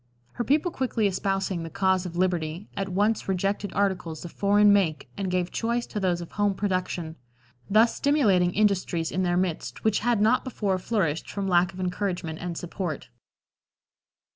Her people quickly espousing the cause of liberty, at once rejected articles of foreign make and gave choice to those of home production, thus stimulating industries in their midst which had not before flourished from lack of encouragement and support.